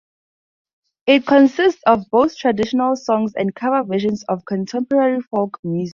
It consists of both traditional songs and cover versions of contemporary folk music.